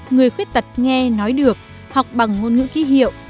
người khuyết tật nghe nói được học bằng ngôn ngữ ký hiệu